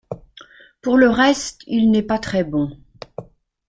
Pour le reste, il n'est pas très bon.